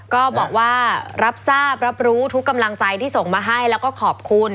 ก็บอกว่ารับทราบรับรู้ทุกกำลังใจที่ส่งมาให้แล้วก็ขอบคุณ